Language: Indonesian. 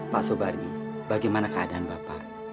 pak sobari bagaimana keadaan bapak